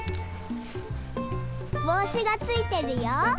ぼうしがついてるよ。